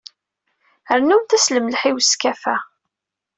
Rnumt-as lemleḥ i weskaf-a.